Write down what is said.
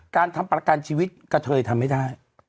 การทำประกันชีวิตกระเทยทำไม่ได้